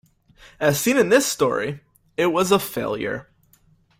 As seen in this story, it was a failure.